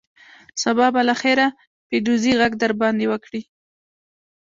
سبا به له خیره پیدوزي غږ در باندې وکړي.